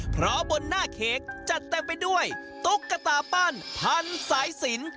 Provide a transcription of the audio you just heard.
เพราะบนหน้าเค้กจัดเต็มไปด้วยตุ๊กตาปั้นพันสายสิน